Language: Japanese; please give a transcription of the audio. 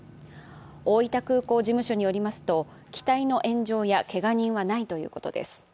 大分空港事務所によりますと、機体の炎上やけが人はないということです。